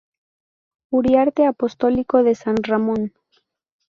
Uriarte Apostólico de San Ramón.